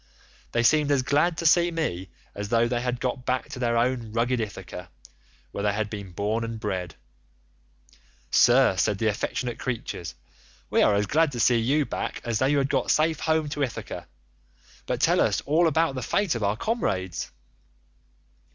They seemed as glad to see me as though they had got back to their own rugged Ithaca, where they had been born and bred. 'Sir,' said the affectionate creatures, 'we are as glad to see you back as though we had got safe home to Ithaca; but tell us all about the fate of our comrades.